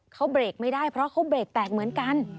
เขาเบรกไม่ได้เพราะเขาเบรกแตกเหมือนกัน